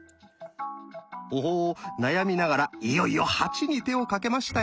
おほ悩みながらいよいよ「８」に手をかけましたよ。